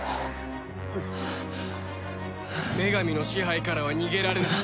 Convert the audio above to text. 女神の支配からは逃げられない。